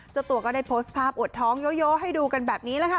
เจ้าตัวก็ได้โพสต์ภาพอวดท้องโยให้ดูกันแบบนี้แหละค่ะ